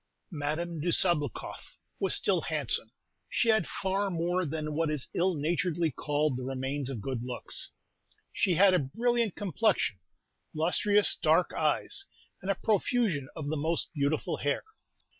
Madame de Sabloukoff was still handsome; she had far more than what is ill naturedly called the remains of good looks. She had a brilliant complexion, lustrous dark eyes, and a profusion of the most beautiful hair.